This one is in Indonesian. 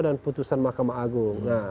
dengan putusan mahkamah agung